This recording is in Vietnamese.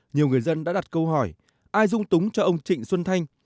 nhiều người dân đã đặt câu hỏi ai dung túng cho ông trịnh xuân thanh